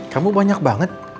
kamu banyak banget